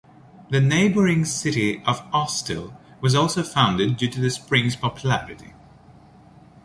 The neighboring city of Austell was also founded due to the spring's popularity.